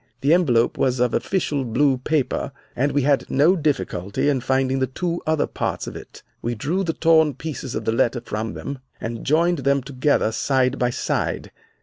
The envelope was of official blue paper and we had no difficulty in finding the two other parts of it. We drew the torn pieces of the letter from them and joined them together side by side.